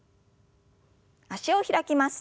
脚を開きます。